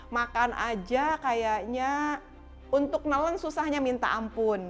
makan aja kayaknya untuk neleng susahnya minta ampun